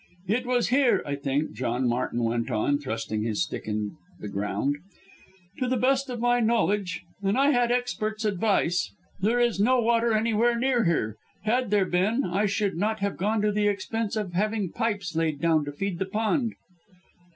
"It was here, I think," John Martin went on, thrusting his stick in the ground, "to the best of my knowledge and I had experts' advice there is no water any where near here. Had there been, I should not have gone to the expense of having pipes laid down to feed the pond."